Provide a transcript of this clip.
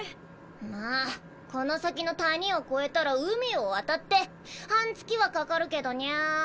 まあこの先の谷を越えたら海を渡って半月はかかるけどニャ。